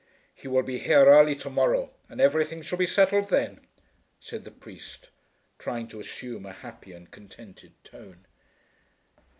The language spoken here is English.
"He will be here early to morrow, and everything shall be settled then," said the priest, trying to assume a happy and contented tone.